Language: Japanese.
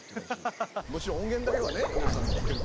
もちろん音源だけではね米津さんのも聴けるけど。